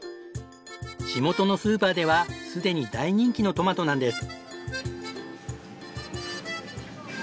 地元のスーパーでは既に大人気のトマトなんです。